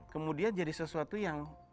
kemudian jadi sesuatu yang